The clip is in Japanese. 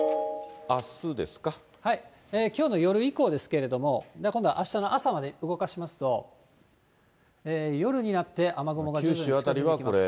きょうの夜以降ですけれども、今度、あしたの朝まで動かしますと、夜になって雨雲が徐々に近づいてきます。